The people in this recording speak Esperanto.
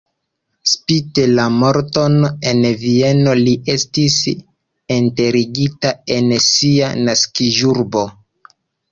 Spite la morton en Vieno li estis enterigita en sia naskiĝurbo.